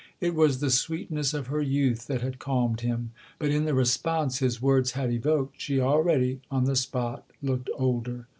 It was the sweetness of her youth that had calmed him, but in the res ponse his words had evoked she already, on the spot, looked older.